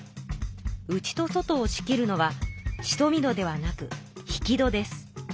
内と外を仕切るのはしとみ戸ではなく引き戸です。